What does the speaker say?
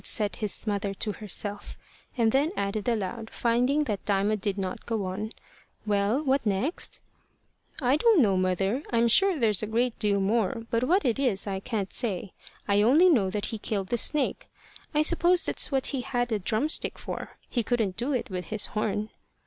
said his mother to herself; and then added aloud, finding that Diamond did not go on, "Well, what next?" "I don't know, mother. I'm sure there's a great deal more, but what it is I can't say. I only know that he killed the snake. I suppose that's what he had a drumstick for. He couldn't do it with his horn."